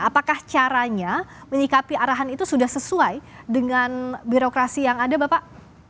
apakah caranya menyikapi arahan itu sudah sesuai dengan birokrasi yang ada bapak